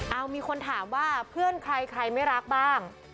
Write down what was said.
เอามีคนถามว่าเพื่อนใครใครไม่รักบ้าง